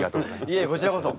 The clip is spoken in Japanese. いえこちらこそ。